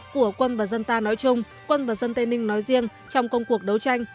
của quân và dân ta nói chung quân và dân tây ninh nói riêng trong công cuộc đấu tranh